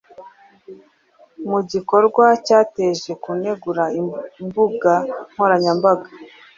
Mu gikorwa cyateje kunegura imbuga nkoranyambaga,